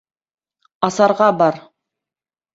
Асарға бар!